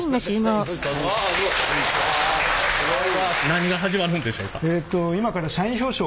何が始まるんでしょうか？